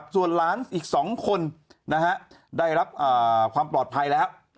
ส่วนหลานอีก๒คนได้รับความปลอดภัยแล้ว